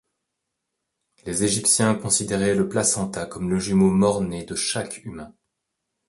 Les égyptiens considéraient le placenta comme le jumeau mort-né de chaque humain.